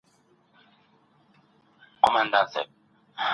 زه لوستل نه کوم.